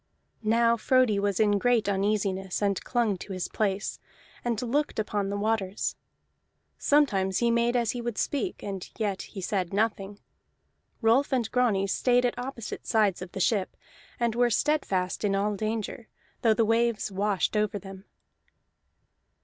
Now Frodi was in great uneasiness, and clung to his place, and looked upon the waters. Sometimes he made as he would speak, and yet he said nothing. Rolf and Grani stayed at opposite sides of the ship, and were steadfast in all danger, though the waves washed over them.